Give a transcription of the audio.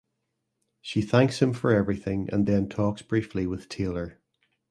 She thanks him for everything and then talks briefly with Taylor.